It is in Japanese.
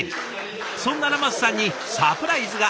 そんなラマスさんにサプライズが。